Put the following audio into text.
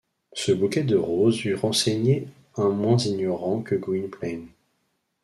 Ce bouquet de roses eût renseigné un moins ignorant que Gwynplaine.